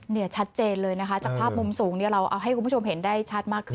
ชัดเจนเลยนะคะจากภาพมุมสูงเนี่ยเราเอาให้คุณผู้ชมเห็นได้ชัดมากขึ้น